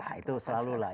ya itu selalu lah